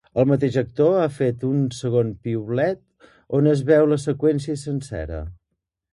El mateix actor ha fet un segon piulet, on es veu la seqüència sencera.